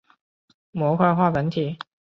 模块化本体是指具有模块结构的本体。